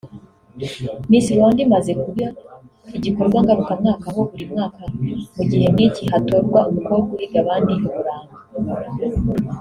Miss Rwanda imaze kuba igikorwa ngarukamwaka aho buri mwaka mu gihe nk'iki hatorwa umukobwa uhiga abandi Uburanga